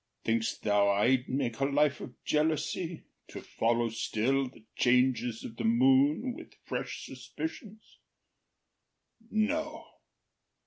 Think’st thou I’d make a life of jealousy, To follow still the changes of the moon With fresh suspicions? No.